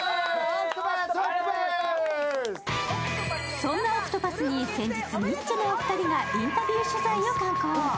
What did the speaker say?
そんなＯＣＴＰＡＴＨに先日、ニッチェのお二人がインタビューを敢行。